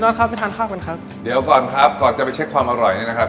ครับไปทานข้าวกันครับเดี๋ยวก่อนครับก่อนจะไปเช็คความอร่อยนี่นะครับ